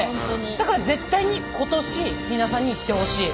だから絶対に今年皆さんに行ってほしい。